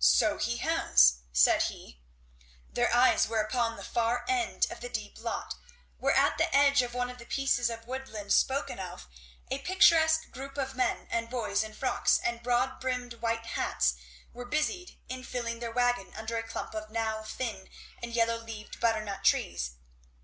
"So he has!" said he. Their eyes were upon the far end of the deep lot, where at the edge of one of the pieces of woodland spoken of, a picturesque group of men and boys in frocks and broad brimmed white hats were busied in filling their wagon under a clump of the now thin and yellow leaved butternut trees.